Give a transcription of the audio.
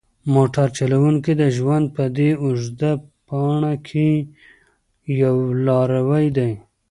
موټر چلونکی د ژوند په دې اوږده لاره کې یو لاروی دی.